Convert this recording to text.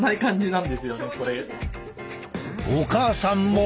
お母さんも。